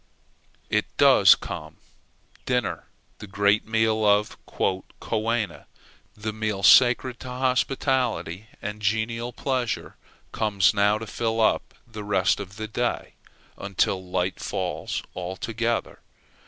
It does come, dinner, the great meal of "coena;" the meal sacred to hospitality and genial pleasure, comes now to fill up the rest of the day, until light fails altogether.